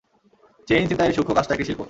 Chain ছিনতাইয়ের সূক্ষ্ম কাজটা একটি শিল্প।